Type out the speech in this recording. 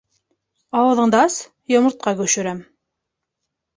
— Ауыҙыңды ас, йомортҡа гөшөрәм.